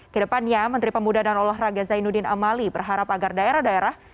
kedepannya menteri pemuda dan olahraga zainuddin amali berharap agar daerah daerah